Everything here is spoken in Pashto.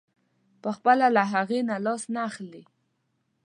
پخپله له هغې نه لاس نه اخلي.